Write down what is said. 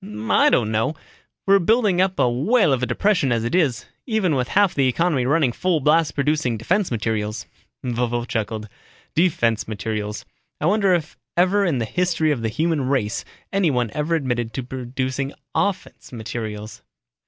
"I don't know. We're building up to a whale of a depression as it is, even with half the economy running full blast producing defense materials." Vovo chuckled, "Defense materials. I wonder if ever in the history of the human race anyone ever admitted to producing offense materials."